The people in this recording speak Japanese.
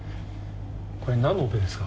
これなんのオペですか？